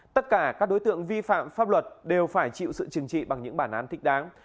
tất cả các đối tượng vi phạm pháp luật đều phải chịu sự chừng trị bằng những bản án thích đáng